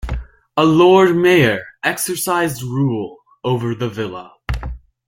A Lord Mayor exercised rule over the villa.